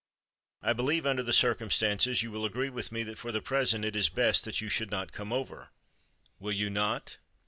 I believe under the circumstances you will agree with me that for the present it is best that you should not come over, will you not?"